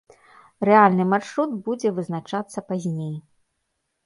Рэальны маршрут будзе вызначацца пазней.